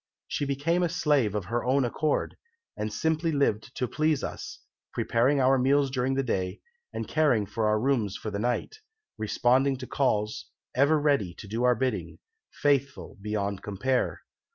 She became a slave of her own accord, and simply lived to please us, preparing our meals during the day, and caring for our rooms for the night; responding to calls; ever ready to do our bidding; faithful beyond compare.